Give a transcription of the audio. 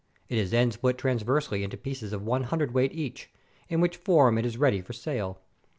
It is then split transversely into pieces of one hundred weight each, in which form it is ready for sale.